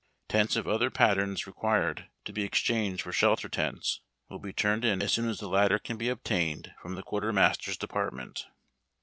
Tents of other patterns required to.be exchanged for shelter tents will be turned in as soon as the latter can be obtained from the Quartermaster's department.